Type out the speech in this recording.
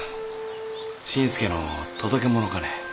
新助の届け物かね。